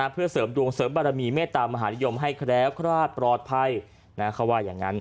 เพื่อเสริมดวงเสริมบรรณีเมตตามมหาลิยมให้แคร้วคราดปลอดภัย